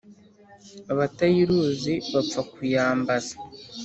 abatayiruzi bapfa kuyambaza.